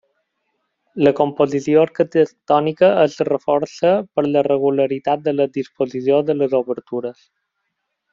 La composició arquitectònica es reforça per la regularitat de la disposició de les obertures.